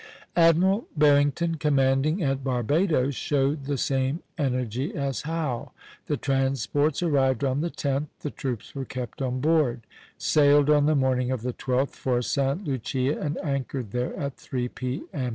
Admiral Barrington, commanding at Barbadoes, showed the same energy as Howe. The transports arrived on the 10th; the troops were kept on board; sailed on the morning of the 12th for Sta. Lucia, and anchored there at three P.M.